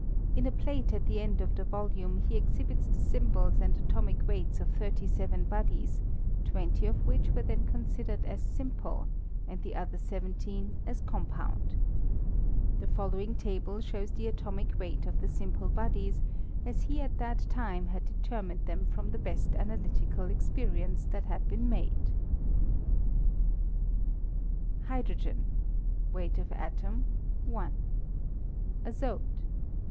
In a ^ateat theead of the volume he exhibits the symbols sod atomic weights of thirty seven bodies, twenty of which were then considered as simple, and the Other seventeen as compound. The following table (hows the atomic weight of the simple bodies, as he at that time had determined them from the best analytical experiments that had been made : WriebtoTstsiB.